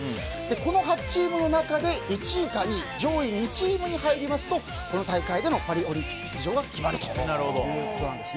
この８チームの中で１位か２位上位２チームに入るとこの大会でのパリオリンピック出場が決まるということなんです。